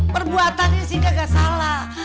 perbuatannya sih nggak salah